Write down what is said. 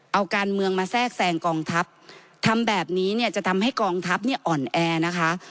เอาการเมืองมาแทรกแทรงกองทัพทำแบบนี้เนี่ยจะทำให้กองทัพเนี่ยอ่อนแอนะคะ